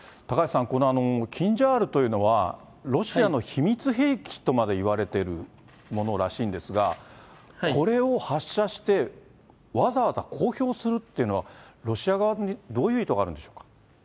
高橋さん、このキンジャールというのは、ロシアの秘密兵器とまでいわれてるものらしいんですが、これを発射して、わざわざ公表するっていうのは、ロシア側にどういう意図があるんでしょうか。